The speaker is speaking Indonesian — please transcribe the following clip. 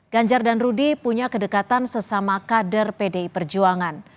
ganjar dan rudy punya kedekatan sesama kader pdi perjuangan